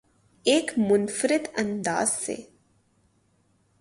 ایک منفرد انداز سے